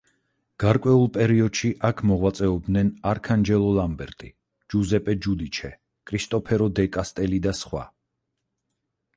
გარკვეულ პერიოდში აქ მოღვაწეობდნენ არქანჯელო ლამბერტი, ჯუზეპე ჯუდიჩე, კრისტოფორო დე კასტელი და სხვა.